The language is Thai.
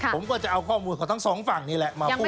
ผมก็จะเอาข้อมูลของทั้งสองฝั่งนี่แหละมาพูด